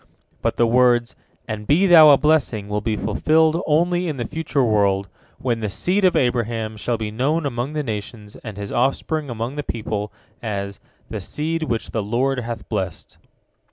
But the words, "And be thou a blessing," will be fulfilled only in the future world, when the seed of Abraham shall be known among the nations and his offspring among the peoples as "the seed which the Lord hath blessed."